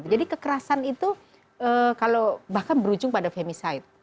jadi kekerasan itu bahkan berujung pada femicide